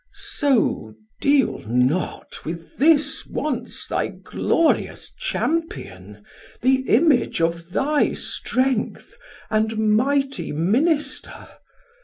So deal not with this once thy glorious Champion, The Image of thy strength, and mighty minister.